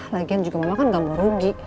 lagian juga mama kan gak mau rugi